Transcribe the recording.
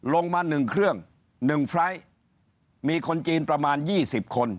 ลงมาหนึ่งเครื่องหนึ่งไฟล์มีคนจีนประมาณยี่สิบคน